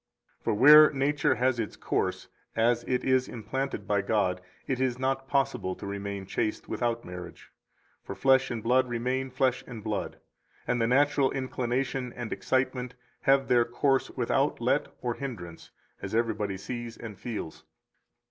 212 For where nature has its course, as it is implanted by God, it is not possible to remain chaste without marriage. For flesh and blood remain flesh and blood, and the natural inclination and excitement have their course without let or hindrance, as everybody sees and feels.